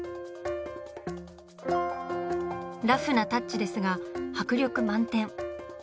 ラフなタッチですが迫力満点。